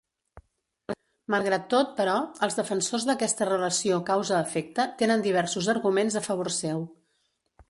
Malgrat tot, però, els defensors d'aquesta relació causa-efecte tenen diversos arguments a favor seu.